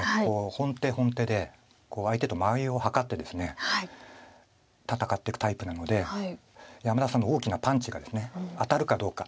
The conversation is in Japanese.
本手本手で相手と間合いを図ってですね戦っていくタイプなので山田さんの大きなパンチがですね当たるかどうか。